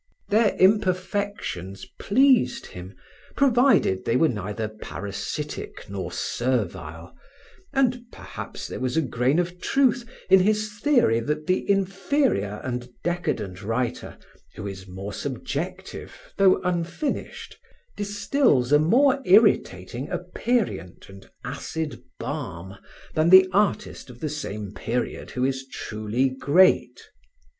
Their imperfections pleased him, provided they were neither parasitic nor servile, and perhaps there was a grain of truth in his theory that the inferior and decadent writer, who is more subjective, though unfinished, distills a more irritating aperient and acid balm than the artist of the same period who is truly great.